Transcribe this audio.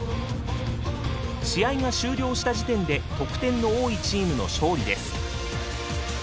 試合が終了した時点で得点の多いチームの勝利です。